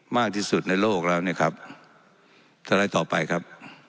มากที่สุดในโลกแล้วเนี่ยครับสไลด์ต่อไปครับ